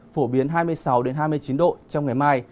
phổ biến hai mươi sáu hai mươi chín độ trong ngày mai